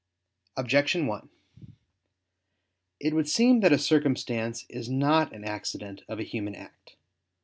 Objection 1: It would seem that a circumstance is not an accident of a human act.